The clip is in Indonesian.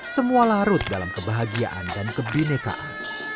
semua larut dalam kebahagiaan dan kebinekaan